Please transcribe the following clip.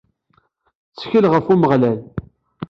Ttkel ɣef Umeɣlal!